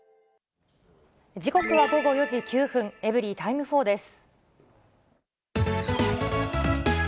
時刻は午後４時９分、エブリィタイム４です。